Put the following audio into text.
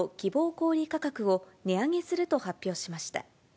小売り価格を値上げすると発表しました。